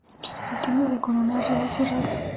Al timbre de corona real cerrada.